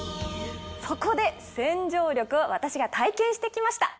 そこで洗浄力を私が体験してきました。